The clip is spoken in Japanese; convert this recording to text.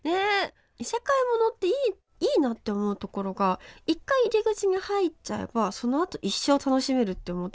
異世界モノっていいなって思うところが一回入り口に入っちゃえばそのあと一生楽しめるって思ってて。